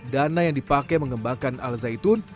dana yang dipakai mengembangkan al zaitun